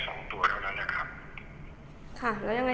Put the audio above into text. สิ่งตัวเนี่ยคุณจะต้องซื้อให้เขากับ๑๐๐๐ต่อกับ๑๐๐๐นะครับ